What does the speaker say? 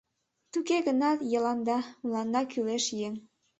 Туге гынат Йыланда — мыланна кӱлеш еҥ.